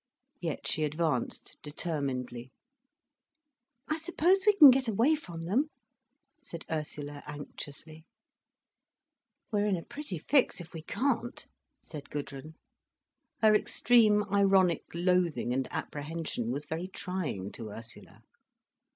Yet she advanced determinedly. "I suppose we can get away from them," said Ursula anxiously. "We're in a pretty fix if we can't," said Gudrun. Her extreme ironic loathing and apprehension was very trying to Ursula.